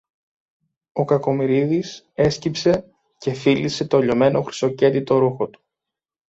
Ο Κακομοιρίδης έσκυψε και φίλησε το λιωμένο χρυσοκέντητο ρούχο του.